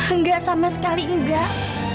enggak sama sekali enggak